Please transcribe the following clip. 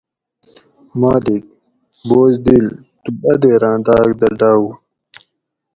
مالک: بزدل تُو اۤ دیراۤں داۤگ دہ ڈاۤوو